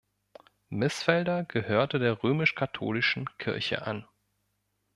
Mißfelder gehörte der römisch-katholischen Kirche an.